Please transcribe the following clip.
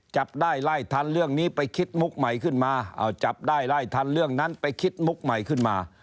จับได้ไล่ทันเรื่องนี้ไปคิดมุกใหม่ขึ้นมาเอาจับได้ไล่ทันเรื่องนั้นไปคิดมุกใหม่ขึ้นมา